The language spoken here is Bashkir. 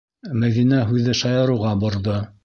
Мәҙинә һүҙҙе шаярыуға борҙо: